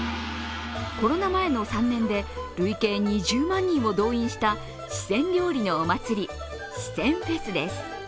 コロナ前の３年で累計２０万人を動員した四川料理のお祭り、四川フェスです。